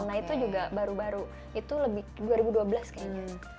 nah itu juga baru baru itu lebih dua ribu dua belas kayaknya